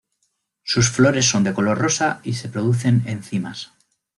Sus flores son de color rosa y se producen en cimas.